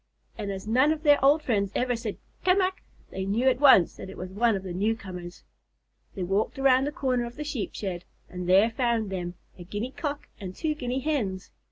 and as none of their old friends ever said "Ca mac!" they knew at once that it was one of the newcomers. They walked around the corner of the Sheep shed, and there found them, a Guinea Cock and two Guinea Hens.